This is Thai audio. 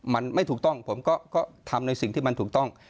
มันไม่ถูกต้องผมก็ทำในสิ่งที่มันถูกต้อง